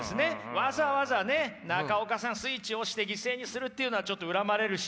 わざわざ中岡さんスイッチを押して犠牲にするっていうのはちょっと恨まれるし。